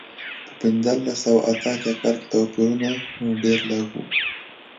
په پنځلس سوه اته اتیا کال کې توپیرونه ډېر لږ و.